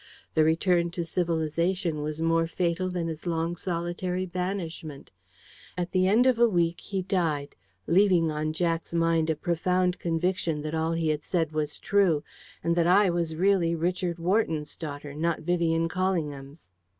The return to civilisation was more fatal than his long solitary banishment. At the end of a week he died, leaving on Jack's mind a profound conviction that all he had said was true, and that I was really Richard Wharton's daughter, not Vivian Callingham's.